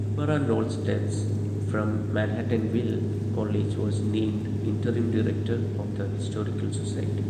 Barbara Knowles Debs from Manhattanville College was named interim director of the Historical Society.